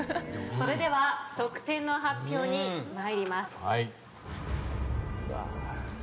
それでは得点の発表に参ります。